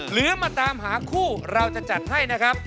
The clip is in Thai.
หรือมาตามหาคู่เราจะจัดให้นะครับ